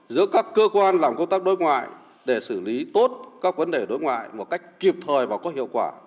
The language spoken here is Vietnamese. giữa các cơ quan làm công tác đối ngoại để xử lý tốt các vấn đề đối ngoại một cách kịp thời và có hiệu quả